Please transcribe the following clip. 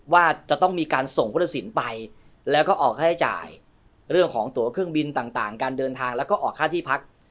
ว่าจะต้องมีการส่งพุทธศิลป์ไปแล้วก็ออกค่าใช้จ่ายเรื่องของตัวเครื่องบินต่างการเดินทางแล้วก็ออกค่าที่พัก